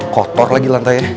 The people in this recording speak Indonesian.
kotor lagi lantai